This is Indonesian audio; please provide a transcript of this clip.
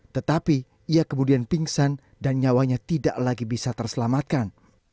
tetapi ia kemudian pingsan dan nyawanya tidak lagi bisa terselamatkan